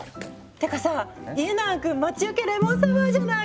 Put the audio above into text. てかさ家長くん待ち受けレモンサワーじゃない！